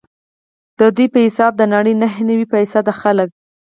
ددوی په حساب د نړۍ نهه نوي فیصده خلک.